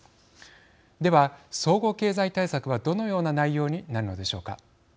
では、総合経済対策はどのような内容になるのでしょうか。